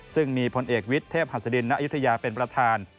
ซึ่งมีพลเอกวิทย์เทพหัสดินณยุธยาเป็นประธาน